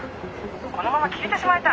このまま消えてしまいたい。